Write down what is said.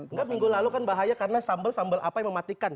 enggak minggu lalu kan bahaya karena sambal sambal apa yang mematikan